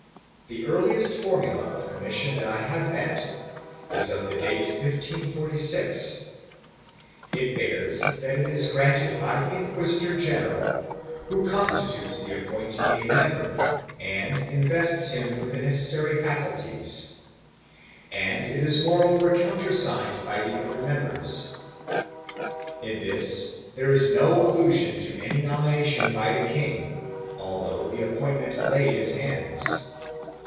The earliest formula of commission that I have met is of the date of 1546; it bears that it is granted by the inquisitor general, who constitutes the appointee a member and invests him with the necessary faculties, and it is moreover countersigned by the other members.3 In this there is no allusion to any nomination by the king, al though the appointment lay in his hands.